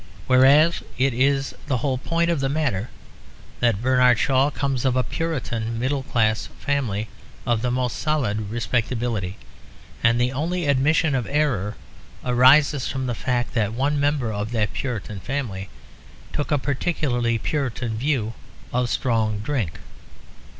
Whereas it is the whole point of the matter that Bernard Shaw comes of a Puritan middle class family of the most solid respectability; and the only admission of error arises from the fact that one member of that Puritan family took a particularly Puritan view of strong drink.